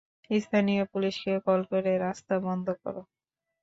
স্থানীয় পুলিশকে কল করে রাস্তা বন্ধ করো।